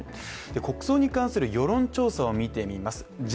国葬に関する世論調査を見てみます。